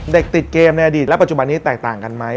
เด็กติดเกมในอดีตและปัจจุบันนี้แตกต่างกันไหม